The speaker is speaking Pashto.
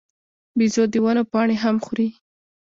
بیزو د ونو پاڼې هم خوري.